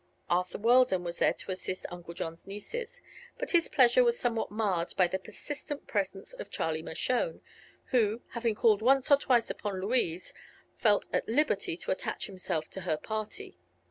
Arthur Weldon was there to assist Uncle John's nieces; but his pleasure was somewhat marred by the persistent presence of Charlie Mershone, who, having called once or twice upon Louise, felt at liberty to attach himself to her party.